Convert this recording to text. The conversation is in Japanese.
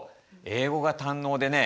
英語が堪能でね